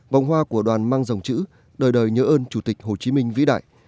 vòng hoa của đoàn mang dòng chữ đời đời nhớ ơn chủ tịch hồ chí minh vĩ đại